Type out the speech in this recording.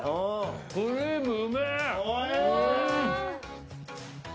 クリームうめえ！